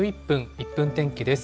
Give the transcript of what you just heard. １分天気です。